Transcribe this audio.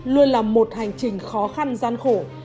luôn là một hành trình khó khăn gian khổ